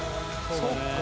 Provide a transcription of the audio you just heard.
「そっか。